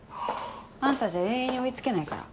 あんたじゃ永遠に追い付けないから。